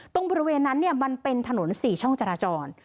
บริเวณนั้นมันเป็นถนน๔ช่องจราจร